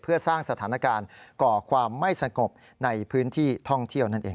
เพื่อสร้างสถานการณ์ก่อความไม่สงบในพื้นที่ท่องเที่ยวนั่นเอง